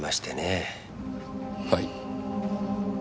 はい。